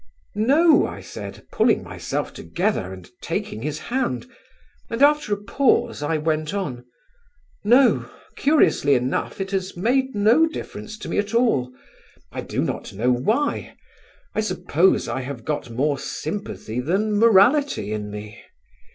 "No," I said, pulling myself together and taking his hand; and after a pause I went on: "No: curiously enough it has made no difference to me at all. I do not know why; I suppose I have got more sympathy than morality in me.